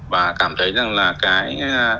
và cảm thấy rằng là cái